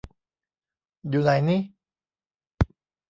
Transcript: อยู่ไหนนิ